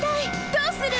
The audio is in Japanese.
どうする！？